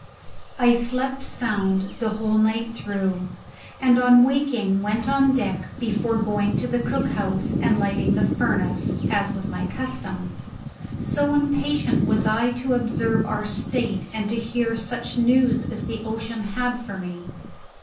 I slept sound the whole night through, and on waking went on deck before going to the cook house and lighting the furnace (as was my custom), so impatient was I to observe our state and to hear such news as the ocean had for me.